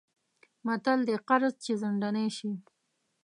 متل دی: قرض چې ځنډنی شی...